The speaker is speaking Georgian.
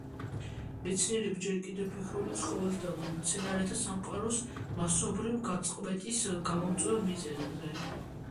მეცნიერები ჯერ კიდევ ფიქრობენ ცხოველთა და მცენარეთა სამყაროს მასობრივ გაწყვეტის გამომწვევ მიზეზზე.